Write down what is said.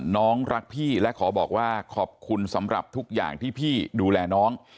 น้องรักพี่และขอบอกว่าขอบคุณสำหรับทุกอย่างที่พี่ดูแลน้อง